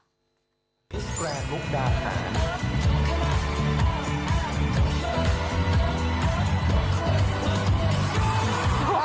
สแกรนดมุกดาหาร